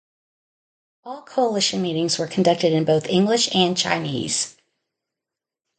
All Coalition meetings were conducted in both English and Chinese.